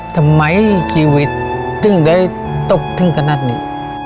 ทำไมจริงได้ตกถึงขนาดนี้